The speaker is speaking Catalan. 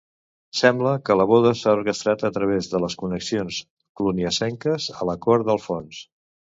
Sembla que la boda s'ha orquestrat a través de les connexions cluniacenques a la cort d'Alfons.